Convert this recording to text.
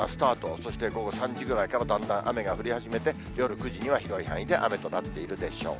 そして午後３時ぐらいからだんだん雨が降り始めて夜９時には広い範囲で雨となっているでしょう。